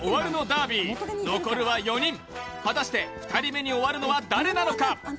ダービー残るは４人果たして２人目に終わるのは誰なのか？